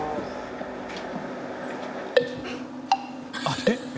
あれ？